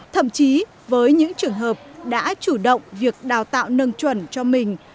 thậm chí với những trường hợp đã chủ động việc đào tạo nâng chuẩn cho mình